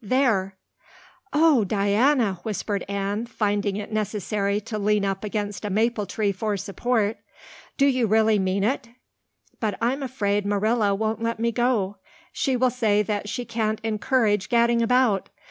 There!" "Oh, Diana," whispered Anne, finding it necessary to lean up against a maple tree for support, "do you really mean it? But I'm afraid Marilla won't let me go. She will say that she can't encourage gadding about.